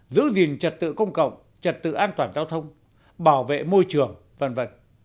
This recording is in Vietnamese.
giữ gìn trật tự công cộng trật tự an toàn giao thông bảo vệ môi trường v v